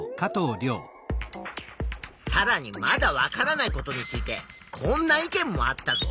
さらにまだ分からないことについてこんな意見もあったぞ。